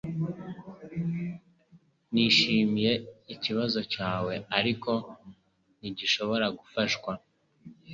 Nishimiye ikibazo cyawe ariko ntigishobora gufashwa